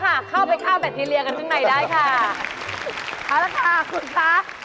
พอแล้วค่ะเข้าไปเข้าแบททีเรียกันขึ้นในได้ค่ะพอแล้วค่ะคุณซัก